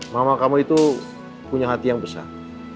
mama kamu itu punya hati yang besar